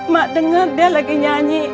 mak dengar dia lagi nyanyi